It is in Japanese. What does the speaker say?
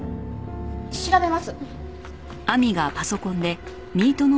調べます。